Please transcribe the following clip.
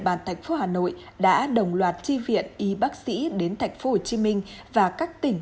bàn thành phố hà nội đã đồng loạt tri viện y bác sĩ đến thành phố hồ chí minh và các tỉnh